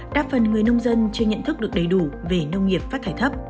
đa phần người nông dân chưa nhận thức được đầy đủ về nông nghiệp phát thải thấp